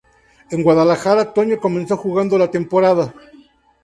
En Guadalajara, Toño comenzó jugando la temporada.